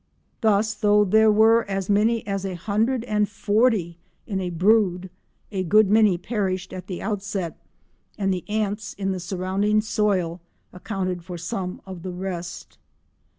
Thus, though there were as many as a hundred and forty in a brood, a good many perished at the outset, and the ants in the surrounding soil accounted for some of the rest.